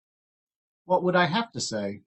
What would I have to say?